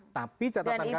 tapi catatan kami adalah